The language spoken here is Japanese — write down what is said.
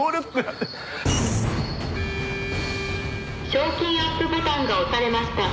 賞金アップボタンが押されました。